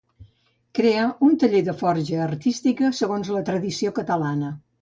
Creà un taller de forja artística segons la tradició catalana.